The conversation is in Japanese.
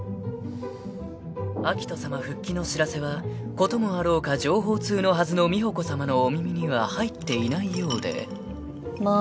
［明人さま復帰の知らせは事もあろうか情報通のはずの美保子さまのお耳には入っていないようで］